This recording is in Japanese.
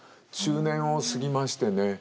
中年を過ぎましてね。